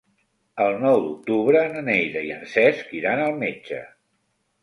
El nou d'octubre na Neida i en Cesc iran al metge.